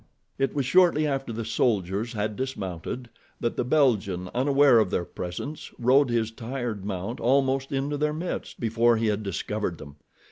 It was shortly after the soldiers had dismounted that the Belgian, unaware of their presence, rode his tired mount almost into their midst, before he had discovered them.